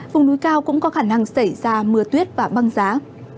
vùng núi cao cũng có khả năng xảy ra mưa tuyết và băng giá